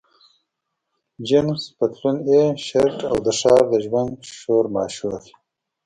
جینس پتلون، ټي شرټ، او د ښار د ژوند شورماشور.